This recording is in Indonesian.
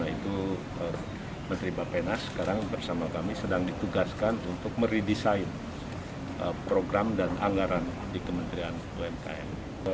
nah itu menteri bapak pena sekarang bersama kami sedang ditugaskan untuk meridesain program dan anggaran di kementerian umkm